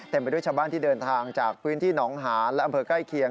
ไปด้วยชาวบ้านที่เดินทางจากพื้นที่หนองหานและอำเภอใกล้เคียง